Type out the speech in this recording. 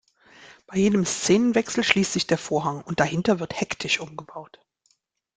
Bei jedem Szenenwechsel schließt sich der Vorhang und dahinter wird hektisch umgebaut.